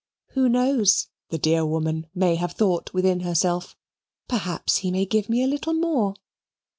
"Who knows," the dear woman may have thought within herself, "perhaps he may give me a little more?"